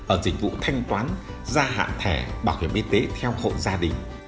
ở dịch vụ thanh toán gia hạn thẻ bảo hiểm y tế theo hộ gia đình